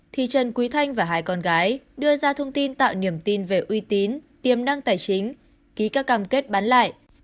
thì trần quý thanh và hai con gái đưa ra thông tin tạo niềm tin về uy tín tiềm năng tài chính ký các cam kết bán lại